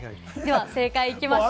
正解いきましょう。